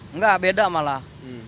enggak beda malah